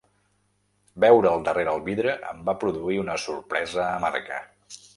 Veure’l darrere el vidre em va produir una sorpresa amarga.